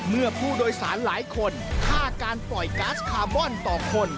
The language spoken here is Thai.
เมื่อผู้โดยสารหลายคนฆ่าการปล่อยก๊าซคาร์บอนต่อคน